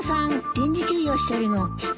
臨時休業してるの知ってました？